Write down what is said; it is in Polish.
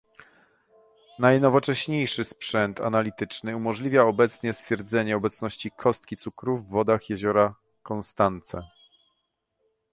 Najnowocześniejszy sprzęt analityczny umożliwia obecnie stwierdzenie obecności kostki cukru w wodach Jeziora Constance